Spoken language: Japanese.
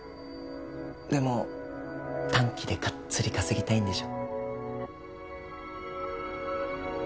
でも短期でがっつり稼ぎたいんでしょ？